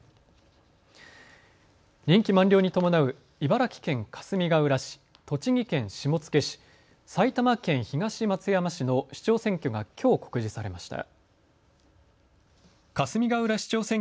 任期満了に伴う茨城県かすみがうら市、栃木県下野市、埼玉県東松山市の市長選挙がきょう告示されました。